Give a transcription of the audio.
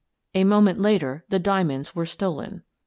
A moment later the diamonds were stolen."